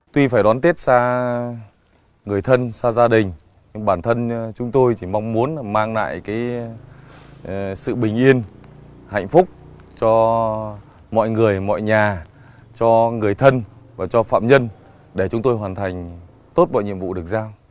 tuy phải đón tết xa người thân xa gia đình nhưng bản thân chúng tôi chỉ mong muốn mang lại sự bình yên hạnh phúc cho mọi người mọi nhà cho người thân và cho phạm nhân để chúng tôi hoàn thành tốt mọi nhiệm vụ được giao